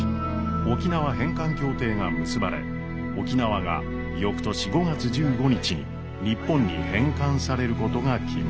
沖縄返還協定が結ばれ沖縄が翌年５月１５日に日本に返還されることが決まりました。